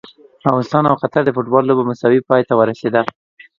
افغانستان او قطر د فوټبال لوبه مساوي پای ته ورسیده!